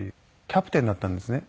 キャプテンだったんですね